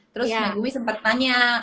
terus megumi sempet nanya